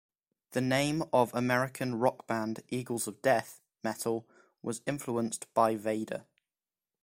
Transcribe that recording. The name of American rock band Eagles of Death Metal was influenced by Vader.